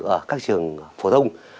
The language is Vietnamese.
ở các trường phổ thông